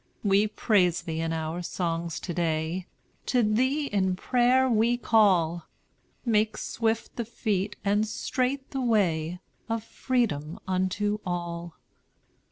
"We praise Thee in our songs to day, To Thee in prayer we call; Make swift the feet and straight the way Of freedom unto all.